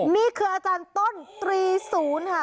นี่คืออาจารย์ต้นตรีศูนย์ค่ะ